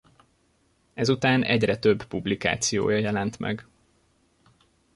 Ezután egyre több publikációja jelent meg.